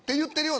って